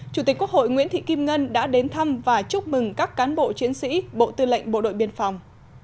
chủ tịch quốc hội nguyễn thị kim ngân đã đến thăm và chúc mừng các cán bộ chiến sĩ bộ tư lệnh bộ đội biên phòng